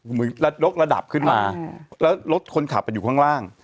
เหมือนยกระดับขึ้นมาแล้วรถคนขับอยู่ข้างล่าง